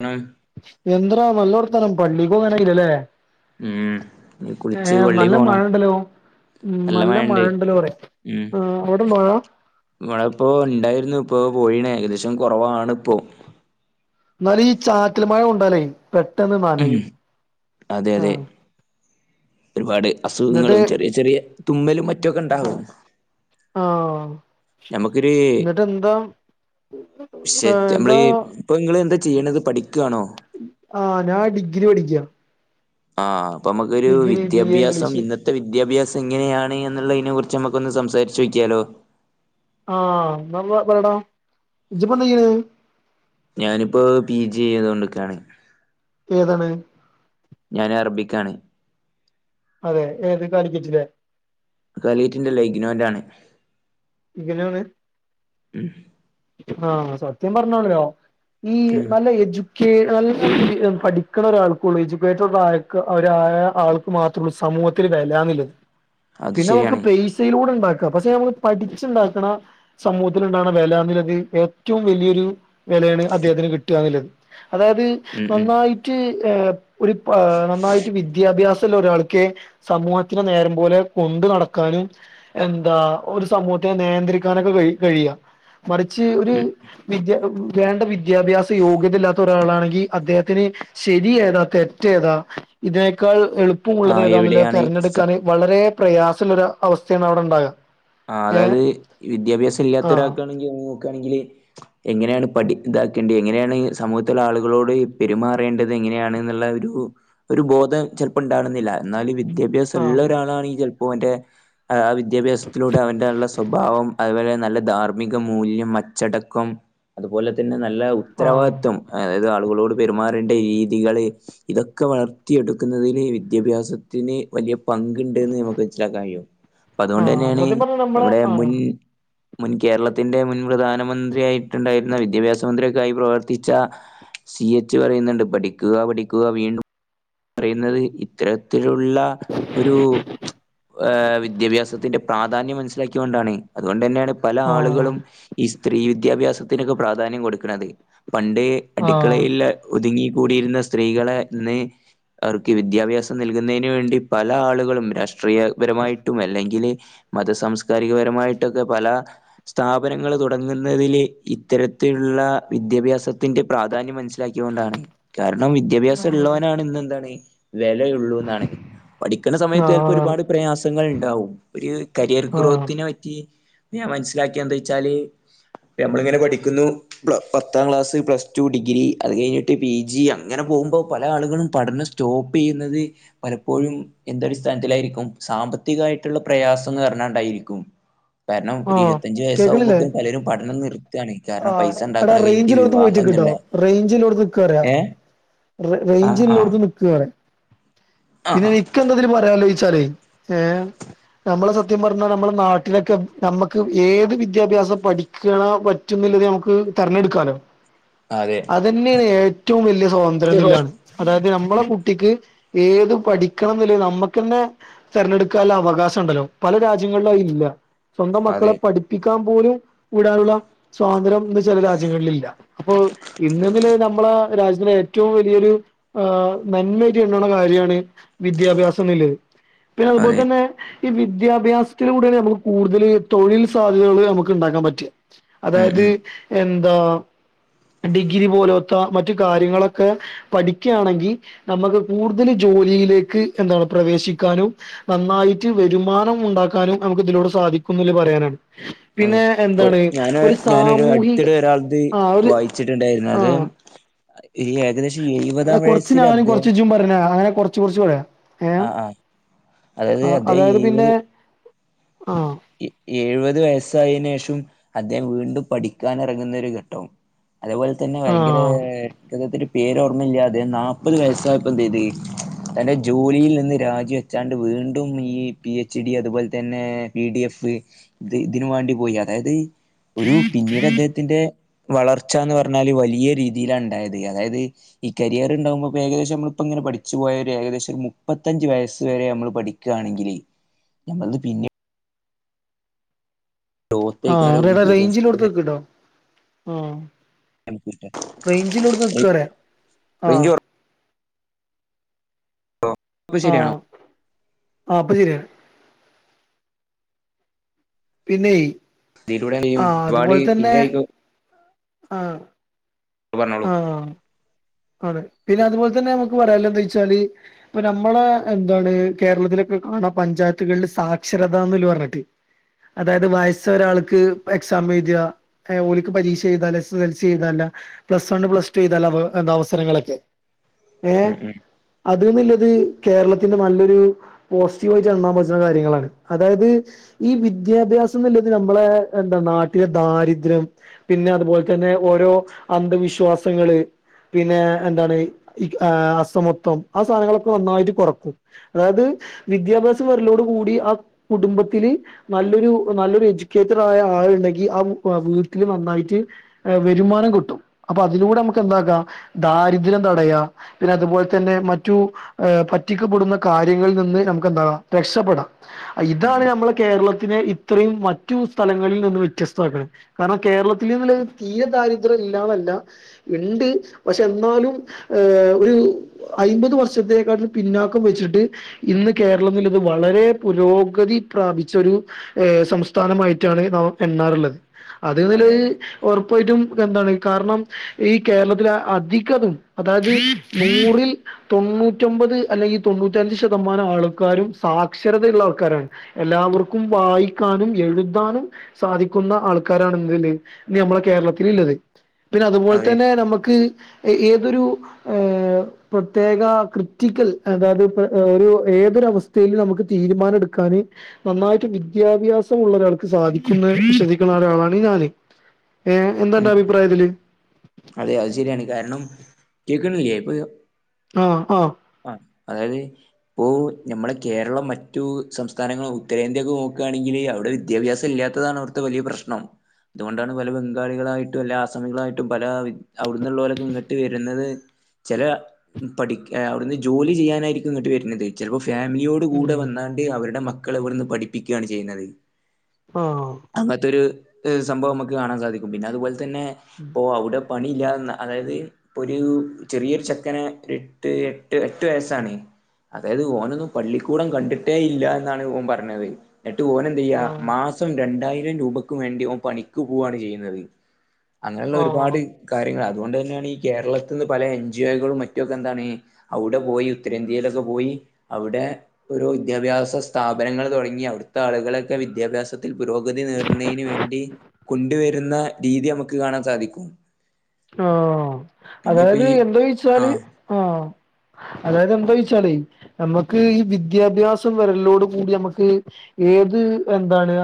മണം എന്തടാ നല്ല വർത്തനം പള്ളി പോകാനായല്ലല്ലേ ഉം ഇനി കുളിച്ച് ഏഹ് പള്ളി നല്ല മഴ പോണം ഉണ്ടല്ലോ ഉം നല്ല മഴണ്ടലോ പറിയ ആ അവിടെ ണ്ടോ മഴ മഴ ഇപ്പോ ഉണ്ടായിരുന്നു ഇപ്പൊ പോയി ണ് ഏകദേശം കുറവാണ് ഇപ്പോ എന്നാലും ഈ ചാറ്റിൽ മഴ കൊണ്ടാലെ പെട്ടെന്ന് ഉം നനയും അതെ അതെ ആഹ് ഒരുപാട് എന്നിട്ട് അസുഖങ്ങളും ചെറിയ ചെറിയ തുമ്മലും മറ്റുമൊക്കെ ഉണ്ടാവും. ആഹ് ഞമ്മക്കൊരു എന്നിട്ട് എന്താ എന്താ ഇപ്പോൾ നിങ്ങൾ എന്താ ചെയ്യണത് പഠിക്കുയാണോ ആഹ് ഞാൻ ഡിഗ്രി പഠിക്ക ആഹ് അപ്പൊ നമുക്കൊരു ഡിഗ്രി ബി എ വിദ്യാഭ്യാസം ഇംഗ്ലീഷ് ഇന്നത്തെ ഇത്തെ വിദ്യാഭ്യാസം എങ്ങനെയാണ് എന്നുള്ളതിനെ കുറിച്ച് നമുക്കൊന്ന് സംസാരിച്ച് നോക്യാലോ ആഹ ന പറേടാ ഇജിപ്പഎന്തെയ്ന് ഞാനിപ്പോൾ പി ജി ചെയ്തു കൊണ്ടൊക്കെയാണ് ഏതാണ്? ഞാൻ അറബിക്കാണ്. അതെ ഏത് കാലിക്കറ്റിലെ? കാലികറ്റിന്റെല്ല ഇഗ്നോന്റാണ് ഇഗ്നെയാണ് ഉം ആഹ് സത്യം പറഞ്ഞാണല്ലോ ഈ ഉം നല്ല എജു കേൽ പഠിക്ക്ണ ഒരാൾക്ക്ള്ളൂ എഡ്യൂക്കേറ്റഡ് ആ യ ഒരാ ൾ ക്ക് മാത്രള്ളൂ സമൂഹത്തിൽ വെല എന്നുള്ളത് അത് പിന്നെ നമുക്ക് ശരിയാണ്. പൈസയിലൂടെ ഉണ്ടാക്കാം പക്ഷെ നമ്മള് പഠിച്ചുണ്ടാക്ക്ണ സമൂഹത്തിലുണ്ടാക്ണ വില എന്നുള്ളത് ഏറ്റവും വലിയൊരു വെ ലയാണ് അദ്ദേഹത്തിന് കിട്ട്ക എന്നുള്ളത് അതായത് ഉം ഉം നന്നായിട്ട് ഏഹ് ഒരു നന്നായിട്ട് വിദ്യാഭ്യാസല്ല ഒരാൾക്ക് ക്കെ സമൂഹത്തിന് നേരം പോലെ കൊണ്ടു നടക്കാനും എന്താ ഒരു സമൂഹത്തെ നിയന്ത്രിക്കാനൊക്കെ കഴ കഴിയാ മറിച്ച് ഒരു ഉം. വിദ്യ വേണ്ട വിദ്യാഭ്യാസ യോഗ്യതയില്ലാത്ത ഒരാളാണെങ്കിൽ അദ്ദേഹത്തിന് ശരിഏതാ തെറ്റേതാ ഇതിനേക്കാൾ എളുപ്പമുള്ളത് ആഹ് ഏതാണുള്ളത് എവിടെയാണ് സ തിരഞ്ഞെടുക്കാൻ വളരെ പ്രയാസള്ളൊരു അവസ്ഥയാണ് അവിടെ ഉണ്ടാകുക. ആ അതായത് വിദ്യാഭ്യാസം ഇല്ലാത്ത ആ ഒരാൾക്കാണെങ്കിൽ നോക്കാണെങ്കില് എങ്ങനെയാണ് പഠി ഇതാക്കേണ്ടത് എങ്ങനെയാണ് സമൂഹത്തിലെ ആളുകളോട് പെരുമാറേണ്ടത്. എങ്ങനെയാണന്ന്‌ ള്ള ഒരു ബോധം ചിലപ്പോ ഉണ്ടാകണോന്നില്ല എന്നാല് വിദ്യ വിഭ്യാസം ആ ഉള്ള ഒരാളാണ് ഈ ചിലപ്പോ ഓന്റെ വിദ്യാഭ്യാസ ത്തിലൂടെ അവന്റെള്ള സ്വഭാവം അതുപോലെ നല്ല ധാർമ്മിക ധാർമ്മിക മൂല്യം അച്ചടക്കം അതുപോലെ തന്നെ നല്ല ആ ഉത്തരവാദിത്വം അതായത് ആളുകളോട് പെരുമാറേണ്ട രീതികള്, ഇതൊക്കെ വളർത്തി എടുക്കുന്നതില് വിദ്യാഭ്യാസത്തിന് വലിയ പങ്കുണ്ട്ന്ന് നമുക്ക് മനസിലാക്കാ ൻ കഴിയും. [inaudible] അതുകൊണ്ട് തന്നെയാണ് സത്യം പറഞ്ഞാ നമ്മളെ നമ്മുടെ മുൻ ആഹ് മുൻ കേരളത്തിന്റെ മുൻ പ്രധാനമന്ത്രിയായിട്ടുണ്ടായിരുന്ന വിദ്യാഭ്യാസ മന്ത്രിയൊ ക്കായി പ്രവർത്തിച്ച സി എച്ച് പറയുന്നുണ്ട് പഠിക്കുക പഠിക്കുക വീണ്ടും, പറയുന്നത് ഈ- ഇത്തരത്തിലുള്ള ഒരു വിദ്യാഭ്യാസത്തിന്റെ പ്രാധാന്യം അനു ക്കൊണ്ടാണ് അതുകൊണ്ട് ന്നെയാണ് പല ആ ആളുകളും- ത്തി ഈ സ്ത്രീ വിദ്യാഭ്യാസത്തിനൊക്കെ പ്രാധാന്യം കൊടുക്കണത് പണ്ട് ആ അടുക്കളയിൽ ഉള്ള ഒതുങ്ങി കൂടിയിരുന്ന സ്ത്രീകളെ ഇന്ന്- അവർക്ക് വിദ്യാഭ്യാസം നൽകുന്നതിന് വേണ്ടി പല ആളുകളും രാഷ്ട്രീയപരമായിട്ടും അല്ലെങ്കില് മതസാംസ്കാരികപരമായിട്ടൊക്കെ പല സ്ഥാപനങ്ങൾ തുടങ്ങുന്നതില് ഇത്തരത്തിലുള്ള വിദ്യാഭ്യാസത്തിന്റെ പ്രാധാന്യമനുസരി ക്കിക്കൊണ്ടാണ് കാരണം വിദ്യാഭ്യാസം ഉള്ളോനാണ് ഇന്ന് എന്താണ് വിലയു ള്ളൂന്നാണ്. പഠിക്കണ ആ സമയത്ത് ചിലപ്പോ അതാണ് ഒരുപാട് പ്രയാസങ്ങൾ ഉണ്ടാവും ഒരു കരിയർ ആ ഗ്രോത്തിനൊ പറ്റി ഞാൻ മനസ്സിലാക്കിയ എന്ത വച്ചാല് നമ്മളിങ്ങനെ പഠിക്കുന്നു. മ്ലാ പത്താം ക്ലാസ് പ്ലസ്ടു ഡിഗ്രി അത് കഴിഞ്ഞിട്ട് പി ജി അങ്ങനെ പോവുമ്പോ പല ആളുകളു പഠന സ്റ്റോപെയ്യുന്നത് പലപ്പോഴും ഇന്തടി സ്ഥാനത്തിലായിരിക്കും സാമ്പത്തികായിട്ട്ള്ള പ്രയാസംന്നാ പറഞ്ഞാണ്ടായിരിക്കും [inaudible] കാരണം ആ ഒരു ഇരുപത്തഞ്ച് വയസ്സാ കുമ്പോഴക്കും പലരും പഠനം നിർ ആഹ് എടാ റേഞ്ചുല്ലോട് ത്ത് പോയിട്ട് നിക്ക്ട്ടോ എന്നുള്ള റേഞ്ചിലോടുത്ത് നിക്കറിയ ഏ ആ റെയിഞ്ചു ആ ല്ലോടുത്ത് നിക്ക് ആ പിന്നെ ആ ഈ നിക്ക് എന്താ ഇതിൽ പറയാനൊള്ളു വെച്ചാൽ ഏഹ് ക്ക് നമ്മളെ സത്യം പറഞ്ഞാ നമ്മടെ നാട്ടിലൊക്കെ നമ്മക്ക് ഏത് വിദ്യാഭ്യാസം പഠിക്കണോ പറ്റ് റ്റത് നമക്ക് തെരഞ്ഞെടുക്കാലോ അതെ അതന്നെയാണ് ഏറ്റവും വലിയ സ്വാതന്ത്ര്യ നില്ലാണ് അതായത് നമ്മളെ കുട്ടിക്ക്, ഏത് പഠിക്കണം ന്നുള്ളത് നമ്മക്കന്നെ തെരഞ്ഞെടുക്കാള്ള അവകാശ ണ്ടല്ലോ പല രാജ്യങ്ങളുംഅയില്ല സ്വന്തം മക്കളെ അതെ പഠിപ്പിക്കാം പോലും വിടാനുള്ള സ്വാതന്ത്ര്യം ഇന്ന് ചെല രാജ്യങ്ങളില്ല അപ്പൊ ഇന്നതില് നമ്മള രാജ്യത്തിന് ഏറ്റവും വലിയൊരു ആഹ് നല്ല ജ്ണ് ണ കാര്യാണ് വിദ്യാഭ്യാസം ന്ന്ല്ലത് പിന്നെ അതുപോലെ അതെ തന്നെ ഈ വിദ്യാഭ്യാസത്തിലൂടെ ഞമ്മക് കൂടുതൽ തൊഴിൽ സാധ്യതകൾ നമ്മക്ക് ഉണ്ടാക്കാൻ പറ്റ ഉം അതായത് ഉം എന്താ ഡിഗ്രി പോലാേത്ത മറ്റ് കാര്യങ്ങളൊക്കെ പഠിക്കാണെങ്കി നമ്മക്ക് കൂടുതൽ ജോലിലേക്ക് എന്താണ് പ്രവേശിക്കാനും നന്നായിട്ട് വെരുമാനം ഉണ്ടാക്കാനും നമുക്ക് ഇതിലൂടെ സാധിക്കുംല് പറയാനാണ് അതെ പിന്നെ ഇപ്പൊ എന്താണ് ഞാന് ഒരു ഞാനൊരു സാമൂഹിക അട്ത്തിടെ ഒരാളത് ആ ഒരു വായിച്ച്ട്ട് ആ ണ്ടായിരുന്നത് ഈ ഏകദേശം എടാ എഴുപതാം കൊർച്ച് വയസ്സിൽ ഞാനും കൊർച്ച് അദ്ദേഹം ഇജും പറഞ്ഞ അങ്ങനെ കൊർച്ച് കൊർച്ച് പറയാ ഏ.. ആ ആ അതായത് ആഹ് അദ്ദേഹം അതായത് പിന്നെ എഴുപത് ആഹ് എ എഴവത് വയസ്സായെനെശും അദ്ദേഹം വീണ്ടും പഠിക്കാനെ റങ്ങുന്നരു ഘട്ടും അതെപോലെ തന്നെ ആ ഭയങ്കരെ ഇദ്ദേഹത്തിന്റെ പേരോർമല്ലാതെ നാപ്പത് വയസായപ്പോതേത് തന്റെ ജോലിയിൽ നിന്ന് രാജിവെച്ചാണ്ട് വീണ്ടും ഈ പി എച്ച് ഇ ഡി അതുപോലെ തന്നെ പി ഡി എഫ് ഇത് ഇതിന് വേണ്ടി പോയി അതായത് ഒരു പിന്നീട് അദ്ദേഹത്തിന്റെ വളർച്ചാന്ന് പർഞ്ഞാല് വലിയ രീതിലാണ്ടായത് അതായത് ഈ കരിയർണ്ടാവുമ്പോ ഇപ്പോ ഏകദേശം നമ്മള് ഇപ്പ ഇങ്ങനെ പഠിച്ചു പോയ ഒരു ഏകദേശം മുപ്പത്തഞ്ച് വയസ് വരെ നമ്മൾ പഠി ക്ക്‌ണെങ്കില് ഞങ്ങൾത് പിന്നെ ആഹ് ഗ്രോത്തേക്കാരോ റെ റ റെയ്ഞ്ചില്ലോട്ത്ത് വിദ്യാഭ്യാസത്തിലൂടെ നിക്ക്ട്ടോ ആഹ് നമുക്ക് കിട്ടാ റെയ്ഞ്ച്ള്ളോട്ത് നിക്ക്ന്ന് പറയാ റേഞ്ച് ആഹ് കൊറ ശരിയാണോ ആഹ് ആപ്പശരിയാണ് പിന്നെയ് ഇതിലൂടെനിയും ആഹ് ഒരുപാട് അതുപോലെ തന്നെ പിന്നായിരിക്കും ആഹ് ഉം പർനോളൂ ആഹ് ആണ് പിന്നെ അതുപോൽത്തന്നെ തന്നെഅമ്മക് പറയാള്ന്താചാല് ഇപ്പൊ നമ്മള എന്താണ് കേരളത്തിലെക്കെ കാണാ പഞ്ചായത്ത്കളില് സാക്ഷരത എന്ന് പർഞ്ഞിട്ട് അതായ്ത് വയസ്സ് ഒരാൾക്ക്‌ എക്സാം എയ്തിയാ ഏഹ് ഓൽക്ക് പരീശ എയ്താല എസ സൽസി എയ്താല പ്ലസവൺ പ്ലസ്ടു എയ്താല എന്താ അവസരങ്ങളൊക്കെ ഏഹ്.. ഉം ഉം അത് ന്ള്ളത് കേരളത്തിന്റെ നല്ലൊരു പോസിറ്റീവായിട്ട് എണ്ണാപറ്റ് ണ കാര്യങ്ങളാണ് അതായത് ഈ വിദ്യാഭ്യാസം ന്നല്ലത് നമ്മളെ ന്താ നാട്ടിലെ ദാരിദ്ര്യം പിന്നെ അത്പോലതന്നെ ഓരോ അന്ധവിശ്വാസങ്ങള് പിന്നെ എന്താണ് ഈ ആഹ് അസമത്വം ആഹ് സാനങ്ങളൊക്കെ നന്നായിട്ട് കോർക്കും അതായ്ത് വിദ്യാഭ്യാസം വെർലോടു കൂടി ആഹ് കുടുംബത്തില് നല്ലൊരു നല്ലൊരു എജ്യൂക്കേറ്റഡ് ആയ ആളുണ്ടെങ്കി ആ വീട്ടില് നന്നായിട്ട് വരുമാനം കിട്ടും, അപ്പൊ അതിലൂടെ നമ്മക്ക് എന്താക്കാ ദാരിദ്ര്യം തടയാ. പിന്നെ അതുപോലെ തന്നെ മറ്റു പറ്റിക്കപ്പെടുന്ന കാര്യങ്ങളിൽ നിന്ന് നമ്മക്ക് എന്താകാം രക്ഷപ്പെടാം. ഉം ഇതാണ് ഉം ഞമ്മലെ കേരളത്തിെനെ ഇത്രയും മറ്റു സ്ഥലങ്ങളിൽ നിന്ന് വ്യത്യസ്ഥആക്ക്ണ്. കാർണം കേരളത്തില് ന്ന്ളത് തീരെ ദാരിദ്ര്യം ഇല്ലാന്നല്ല ഇണ്ട് പക്ഷെ എന്നാലും ഏഹ് ഒരു അയ് മ്പത് വർഷത്തിനെക്കാട്ടിലും പിന്നാക്കം വെച്ചിട്ട് ഇന്ന് കേരളത്തിലിത് വളരെ പുരോഗതി പ്രാപിചൊരു ഏഹ് സംസ്ഥാനമായിട്ടാണ് നാം എണ്ണാറ്ള്ളത് അത് ഇതില് അതെ അതെ ഒർപ്പായിട്ടും എന്താണ് കാർണം ഈ കേരളത്തിലെ അധികതും അതായത് നൂറിൽ തൊണ്ണൂറ്റൊമ്പത് അല്ലെങ്കി തൊണ്ണൂറ്റഞ്ച് ശതമാനം ആൾക്കാരും സാക്ഷരതയുള്ള ആൾക്കാരാണ് എല്ലാവർക്കും വായിക്കാനും എഴു താനും സാധിക്കുന്ന ആൾക്കാരാണ് ഇന്ന് ലെ ഇന്ന് അമ്മളെ കേരളത്തില് ല്ലത് പിന്നെ അതുപോലെ അതെ തന്നെ നമ്മക്ക് ഏതൊരു ഏ പ്രത്യേക ക്രിറ്റിക്കൽ, അതായത് പ്പോ ഓരോ ഏതൊര അവസ്ഥയില് നമ്മക്ക് തീരുമാന എടുക്കാന് നന്നായിട്ട് വിദ്യാഭ്യാസം ഉള്ള ഒരാൾക്ക് സാധിക്കുന്ന [unintelligible] ഒരാളാണ് ഞാന്. ഏ, എന്താന്റെ ഉം അഭിപ്രായതില്? അതെ അത് ശരിയാണ്, കാരണം കേയ്ക്ക്ണില്ലെ ഇപ്പൊ ആഹ്‌ ആ. ആഹ്‌ അതായത് പ്പോ, നമ്മളെ കേരളം മറ്റു സംസ്ഥാനങ്ങൾ ഉത്തരേന്ത്യക്കെ നോക്ക് ആണെങ്കില് അവടെ വിദ്യാഭ്യാസം ഇല്ലാത്ത ഇതാണ് അവ്ടുത്തെ വലിയ പ്രശ്നം, അതുകൊണ്ടാണ് പല ബംഗാളികളായിട്ടും അല്ലേ ആസാമികളായിട്ടും പല വി അവ്ടുന്നുള്ളോരൊക്കെ ഇങ്ങട്ട് വരുന്നത് ചെല പഠി അവ്ടുന്ന് ജോലി ചെയ്യാനായിരിക്കും ഇങ്ങട്ട് വരുന്നത് ചെൽപ്പോ ഫാമിലിയോ കൂടെ ഉം വന്നാണ്ട് അവരുടെ മക്കള ഇവട്ന്ന് പഠിപ്പിക്കാണ് ചെയ്യണത്. ആഹ്‌. അങ്ങതൊരു സംഭവം മ്മക്ക് കാണാൻ സാധിക്കും, പിന്നെ അതുപോലെ തന്നെ പ്പോ അവടെ പണി ഇല്ലാന്ന അതായത് പ്പൊരു ചെറിയൊരു ചെക്കനെ ഒരു എട്ട് എട്ട് എട്ട് വയസ്സാണ് അതായത് ഓനൊന്നും പള്ളിക്കൂടം കണ്ടിട്ടേ ഇല്ല എന്നാണ് ഓൻ പറഞ്ഞത്, എന്നിട്ട് ഓന ആഹ് മാസം രണ്ടായിരം രൂപക്ക് വേണ്ടി ഓൻ പണിക്ക് പോവാണ് ചെയ്യുന്നത്, അങ്ങനെള്ള ഒരു ആഹ് കാര്യങ്ങൾ അതുകൊണ്ട്ന്നേണ് ഈ കേരളത്ത്ന്ന് പല എൻ ജി ഒകളും മറ്റുക്കെ എന്താണ് അവ്ടെ പോയി ഉത്തരേന്ത്യയിലൊക്കെ പോയി അവ്ടെ ഒരു വിദ്യാഭ്യാസ സ്ഥാപനങ്ങൾ തൊടങ്ങി, അവ്ടുത്തെ ആളുകളൊക്കെ വിദ്യാഭ്യാസ ത്തിൽ പുരോഗതി നേടുന്നെയ്ന് വേണ്ടി കൊണ്ടുവരുന്ന രീതി നമ്മക്ക് കാണാൻ സാധിക്കും. ആഹ്‌, പിന്നെ ഇപ്പൊ അതായത് ഈ എന്തോയിച്ചാല് ആഹ് ആഹ്‌, അതായത് എന്തോയ്ച്ചാലേ നമ്മക്ക് ഉം ഈ വിദ്യാഭ്യാസ ച്ച വരലോട് കൂടി ഞമ്മക്ക് ഏത് എന്താണ്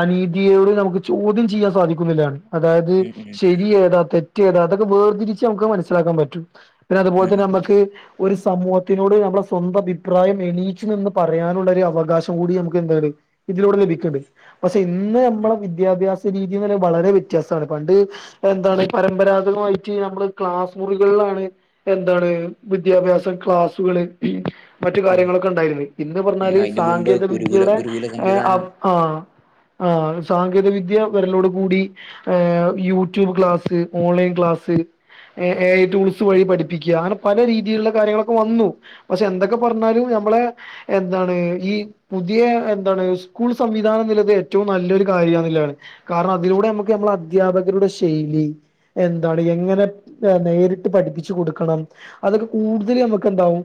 അനീതിയോട് നമുക്ക് ചോദ്യം ചെയ്യാൻ സാധിക്കും ന്നുള്ളതാണ്. അതായത് ഉം ഉം ശരി ഏതാ തെറ്റേതാ അതൊക്കെ വേർതിരിച്ച് ഞമ്മക്ക് മനസ്സിലാക്കാൻ പറ്റും. പിന്നെ അതുപോലെ ഉം തന്നെ ഞമ്മക്ക് ഒരു സമൂഹത്തിനോട് നമ്മളെ സ്വന്തം അഭിപ്രായം എണീച്ചു നിന്ന് പറയാനുള്ള ഒരു അവകാശം കൂടി നമുക്ക് എന്താണ് ഇതിലൂടെ ലഭിക്ക്ണ്ട്‌. പക്ഷെ ഇന്ന് ഉം ഉം നമ്മളെ വിദ്യാഭ്യാസ രീതിന്ന് വളരെ വ്യത്യാസാണ് പണ്ട് എന്താണ് പരമ്പരാഗതമായിട്ട് ഞമ്മള് ക്ലാസ് മുറികൾലാണ് എന്താണ് വിദ്യാഭ്യാസ ക്ലാസ്സുകള് മറ്റു ഉം കാര്യങ്ങളൊക്കെ ണ്ടായിരുന്നു, ഇന്ന് ഉം പറഞ്ഞാല് അതിന്റെ മുമ്പ് സാങ്കേതിക ഗുരുകുല വിദ്യയുടെ ഗുരുകുല എ അ സംവിധാനം ആഹ്‌. ആഹ്‌, സാങ്കേതികവിദ്യ വരലോട് കൂടി ആ YouTube class online class A I tools വഴി പഠിപ്പിക്കാ, അങ്ങനെ പല രീതിയിലുള്ള കാര്യങ്ങളൊക്കെ വന്നു. പക്ഷെ എന്തൊക്കെ പറഞ്ഞാലും ഞമ്മളെ എന്താണ് ഈ പുതിയ എന്താണ് സ്കൂൾ സംവിധാനം ന്നിള്ളത് ഏറ്റവും നല്ലൊരു കാര്യന്നുള്ളാണ്. കാരണം അതിലൂടെ ഞമ്മക്ക് നമ്മളെ അധ്യാപകരുടെ ശൈലി എന്താണ്, എങ്ങനെ നേരിട്ട് പഠിപ്പിച്ചു കൊടുക്കണം, അതൊക്കെ കൂടുതൽ നമുക്ക്ന്താവും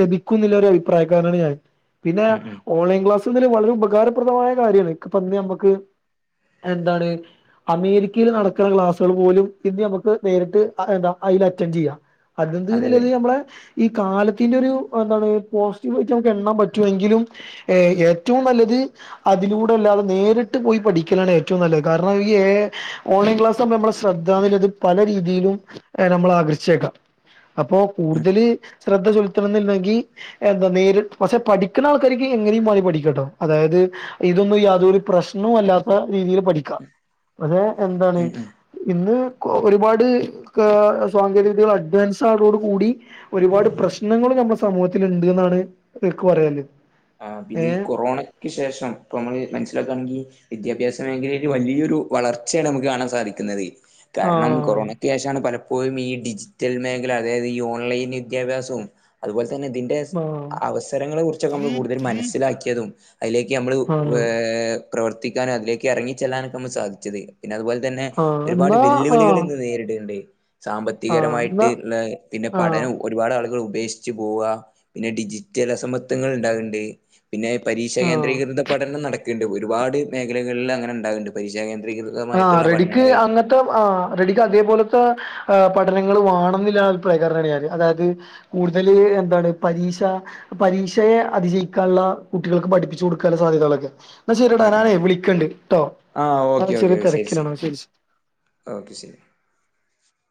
ലഭിക്കും ന്നില്ലൊരു അഭിപ്രായക്കാരനാണ് ഞാന് പിന്നെ ഉം ഉം ഓൺലൈൻ ക്ലാസ്സ്ന്ന് വളരെ ഉപകാരപ്രദമായ കാര്യയാണ് ഇന്ന് ഞമ്മക്ക് എന്താണ് അമേരിക്കയിൽ നടക്ക്ണ ക്ലാസ് പോലും ഇന്ന് നമക്ക് നേരിട്ട് എന്താ അയില് അറ്റൻ് ചെയ്യാം അതെ അതെ അതെന്ത്ത് നമ്മളെ ഈ കാലത്തിന്റെ ഒരു എന്താണ് പോസിറ്റീവ് ആയിട്ട് നമുക്ക് എണ്ണാൻ പറ്റും എങ്കിലും ഏ ഏറ്റവും നല്ലത് അതിലൂടെ അല്ലാതെ നേരിട്ട് പോയി പഠിക്കലാണ് ഏറ്റവും നല്ലത് കാരണം ഈ ഓൺലൈൻ ക്ലാസ് നമ്മ ശ്രദ്ധാൽത് പല രീതിയിലും നമ്മൾ ആകർഷേക്കാം അപ്പോ ഉം കൂടുതല് ശ്രദ്ധ ചെലുത്തണന്നില്ലെങ്കിൽ എന്താ നേരി പക്ഷെ പഠിക്കുന്ന ആൾക്കാർക്ക് എങ്ങനെയും മാതി പഠിക്കട്ടോ അതായത് ഇതൊന്നും യാതൊരു പ്രശ്നവും അല്ലാത്ത രീതിയിൽ പഠിക്കാം പക്ഷെ എന്താണ് ഉം ഉം ഇന്ന് ഒരുപാട് സാങ്കേതിക വിദ്യകൾ അഡ്വാൻസ് ആയതോട് കൂടി ഒരുപാട് പ്രശ്നങ്ങൾ നമ്മുടെ സമൂഹത്തിൽ ഉണ്ട് എന്നാണ്ക്ക് പറയാല് ആ പിന്നെ ഈ കൊറോണയ്ക്ക് ശേഷം ഇപ്പൊ നമ്മള് മനസ്സിലാക്കാണെങ്കിൽ വിദ്യാഭ്യാസ മേഖലയിൽ വലിയൊരു വളർച്ചയാണ് നമുക്ക് കാണാൻ സാധിക്കുന്നത് കാരണം ആഹ് കൊറോണ ത [unintelligible] പലപ്പോഴും ഈ ഡിജിറ്റൽ മേഖല അതായത് ഈ ഓൺലൈൻ വിദ്യാഭ്യാസവും അതുപോലെ തന്നെ ആഹ് അവസരങ്ങളെ കുറിച്ചൊക്കെ നമ്മൾ കൂടുതൽ മനസ്സിലാക്കിയതും അതിലേക്ക് നമ്മള് ആണ് പ്രവർത്തിക്കാനും അതിലേക്ക് ഇറങ്ങി ചെല്ലാനൊക്കെ നമ്മൾ സാധിച്ചത് പിന്നെ അതുപോലെ തന്നെ ആഹ് ഒരുപാട് എന്നാ വെല്ലുവിളികൾ ആഹ് ഇന്ന് നേരിടുണ്ട് ആഹ് സാമ്പത്തികരമായിട്ട് എന്നാ പിന്നെ ആഹ് പഠനവും ഒരുപാട് ആളുകൾ ഉപേക്ഷിച്ചച്ച് പോവുക പിന്നെ ഡിജിറ്റൽ അസമത്വങ്ങൾ ഉണ്ടാകണ്ട് പിന്നെ പരീക്ഷാ ആഹ് കേന്ദ്രീകൃത പഠനം നടക്കുന്നുണ്ട് ഒരുപാട് മേഖലകളിൽ അങ്ങനെണ്ടാകുന്നുണ്ട് പരക്ഷാ കേന്ദീകൃ ആ റെഡിക്ക് അങ്ങത്തെ റെഡിക്ക് അതേപോലത്തെ പഠനങ്ങൾ വണെന്നില്ല അഭിപ്രായം കാര അതായത് കൂടുതല് എന്താണ് പരീക്ഷ പരീക്ഷയെ അതിജയിക്കാനുള്ള കുട്ടികൾക്ക് പഠിപ്പിച്ചു കൊടുക്കാനുള്ള സാധ്യതകളൊക്കെ എന്നാ ആ ശരിടാ ആ ഞാനേ വിളിക്കണ്ടണ്ട് കേട്ടോ ആ ഓക്കെ ഓക്കെ ശരി ശരി ഓക്കെ ശരി